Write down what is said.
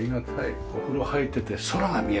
お風呂入ってて空が見えるというね。